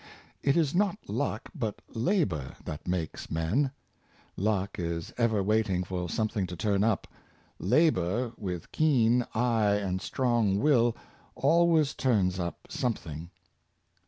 It is not luck, but labor, that makes men. " Luck is ever waiting for something to turn up; Labor, with 442 Luck and Labor. keen eye and strong will, always turns up something.